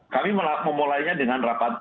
kami memulainya dengan rapat